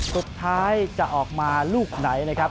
สุดท้ายจะออกมาลูกไหนนะครับ